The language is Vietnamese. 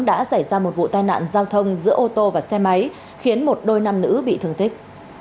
đã xảy ra một vụ tai nạn giao thông giữa ô tô và xe máy khiến một đôi nam nữ bị thương tích